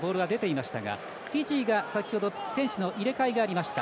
フィジーが選手の入れ替えがありました。